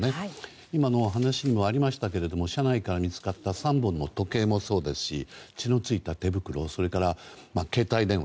今の話にもありましたけれど車内から見つかった３本の時計血の付いた手袋それから携帯電話。